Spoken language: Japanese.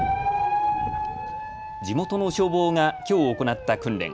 地元の消防がきょう行った訓練。